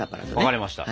分かりました。